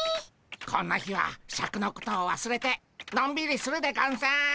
こんな日はシャクのことをわすれてのんびりするでゴンス。